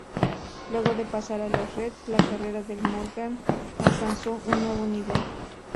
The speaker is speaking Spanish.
Luego de pasar a los Reds, la carrera de Morgan alcanzó un nuevo nivel.